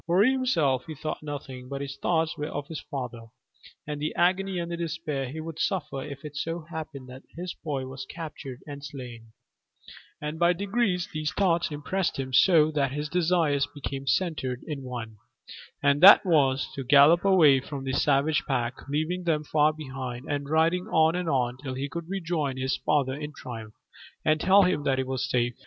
For himself he thought nothing, but his thoughts were of his father, and the agony and despair he would suffer if it so happened that his boy was captured and slain; and by degrees these thoughts impressed him so that his desires became centred in one, and that was, to gallop away from the savage pack, leaving them far behind, and riding on and on till he could rejoin his father in triumph and tell him that he was safe.